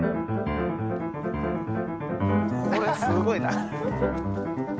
これすごいな。